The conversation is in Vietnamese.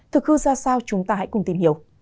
thực hư ra sao chúng ta hãy cùng tìm hiểu